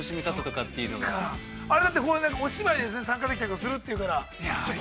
◆あれ、だって、お芝居に参加できたりするっていうから。